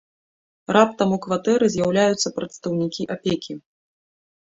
Раптам у кватэры з'яўляюцца прадстаўнікі апекі.